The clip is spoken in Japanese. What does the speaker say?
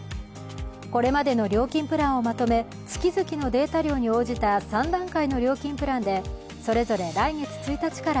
これまでの料金プランをまとめ月々のデータ量に応じた３段階の料金プランでそれぞれ来月１日から